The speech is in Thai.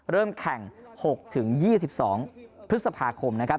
เริ่มแข่ง๖๒๒พฤษภาคมนะครับ